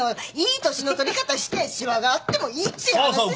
いい年の取り方してしわがあってもいいっていう話ですよ。